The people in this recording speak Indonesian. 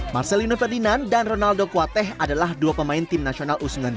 marcelino ferdinand dan ronaldo kuateh adalah dua pemain tim nasional u sembilan belas